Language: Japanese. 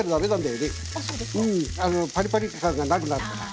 うんパリパリ感がなくなるから。